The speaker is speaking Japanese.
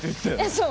そう。